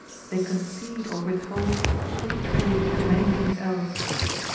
They concede or withhold free trade and many things else.